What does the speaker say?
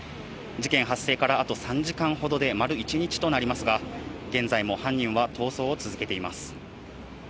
事件発生からあと３時間ほどで丸１日となりますが、現在も犯人は逃走を続けています。